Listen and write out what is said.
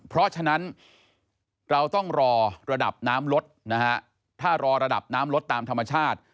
เพราะฉะนั้นเราต้องรอระดับน้ำลดนะฮะถ้ารอระดับน้ำลดตามธรรมชาติ